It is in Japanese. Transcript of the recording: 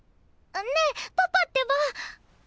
ねえパパってば！